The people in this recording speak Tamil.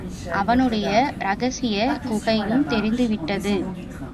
அவனுடைய ரகசியக் குகையும் தெரிந்துவிட்டது.